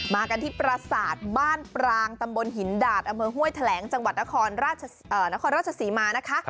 มากันที่ประสาทบ้านปรางตำบลหินดาดอำเภอห้วยแถลงจังหวัดนครราชศรีมานะคะ